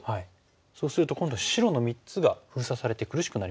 そうすると今度白の３つが封鎖されて苦しくなりますよね。